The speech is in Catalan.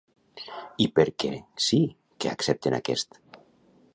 I per què sí que accepten aquest?